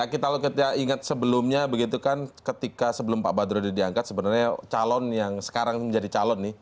kalau kita ingat sebelumnya begitu kan ketika sebelum pak badrodi diangkat sebenarnya calon yang sekarang menjadi calon nih